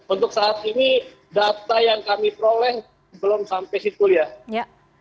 untuk saat ini data yang kami peroleh belum sampai situ ya